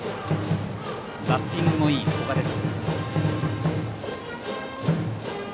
バッティングもいい古賀です。